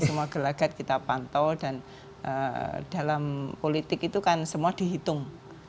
semua gelagat kita pantau dan dalam politik itu kan semua dihitung